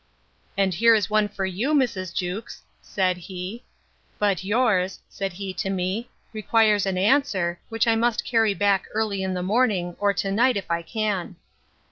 And here is one for you, Mrs. Jewkes, said he; but yours, said he to me, requires an answer, which I must carry back early in the morning, or to night, if I can.